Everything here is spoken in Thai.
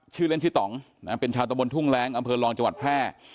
ชื่อเล่นชื่อต่องเป็นชาวตะบนทุ่งแรงอำเภอรองจังหวัดแพร่